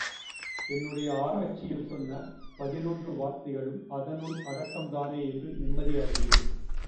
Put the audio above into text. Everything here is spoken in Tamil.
என்னுடைய ஆராய்ச்சியில் சொன்ன பதினொன்று வார்த்தைகளும் அதனுள் அடக்கம்தானே என்று நிம்மதியடைந்தேன்.